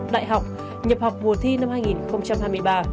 đại học nhập học vùa thi năm hai nghìn hai mươi